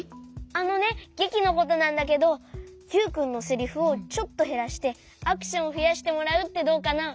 あのねげきのことなんだけどユウくんのセリフをちょっとへらしてアクションをふやしてもらうってどうかな？